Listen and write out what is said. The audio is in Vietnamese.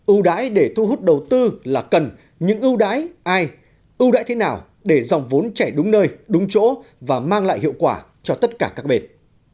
ưu đãi để thu hút đầu tư là cần những ưu đãi ai ưu đãi thế nào để dòng vốn chảy đúng nơi đúng chỗ và mang lại hiệu quả cho tất cả các bên